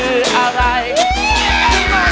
เอานั่งดีกว่า